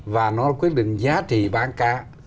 và nó quyết định giá trị bán cá